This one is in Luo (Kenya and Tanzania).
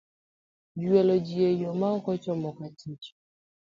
Gwelo Ji e Yo ma Ok ochomo katich,